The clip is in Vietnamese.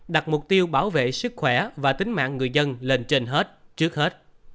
đặt mục tiêu bảo vệ sức khỏe và tính mạng người dân lên trên hết trước hết